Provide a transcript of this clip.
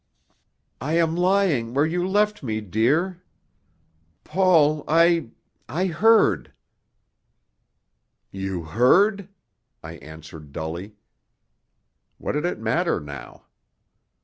"I am lying where you left me, dear. Paul, I I heard." "You heard?" I answered dully. What did it matter now?